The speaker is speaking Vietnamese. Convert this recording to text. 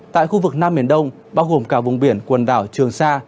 tại khu vực nam biển đông bao gồm cả vùng biển quần đảo trường sa